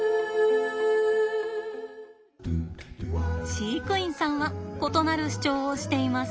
飼育員さんは異なる主張をしています。